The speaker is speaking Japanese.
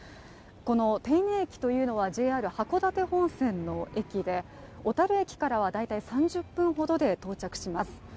この手稲駅というのは、ＪＲ函館本線の駅で小樽駅からは大体３０分ほどで到着します。